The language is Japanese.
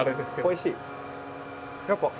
おいしい！